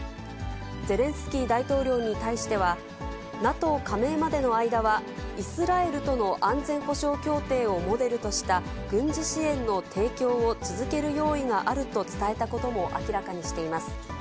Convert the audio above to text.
ゼレンスキー大統領に対しては、ＮＡＴＯ加盟までの間は、イスラエルとの安全保障協定をモデルとした軍事支援の提供を続ける用意があると伝えたことも明らかにしています。